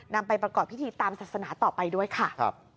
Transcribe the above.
นำไปประกอบพิธีตามศาสนาต่อไปด้วยค่ะ